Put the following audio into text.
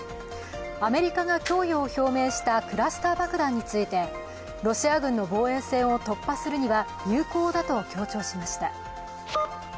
アメリカが供与を表明したクラスター爆弾について、ロシア軍の防衛線を突破するには有効だと強調しました。